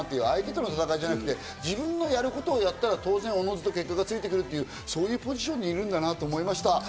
相手との戦いじゃなくて、自分のやることやったら、当然、おのずと結果がついてくる、そういうポジションにいるんだなと思いました。